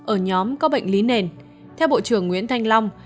ở nhóm có bệnh lý nền theo bộ trưởng nguyễn thanh long